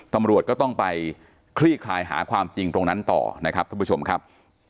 ตำรวจก็ต้องไปคลี่คลายหาความจริงตรงนั้นต่อนะครับท่านผู้ชมครับ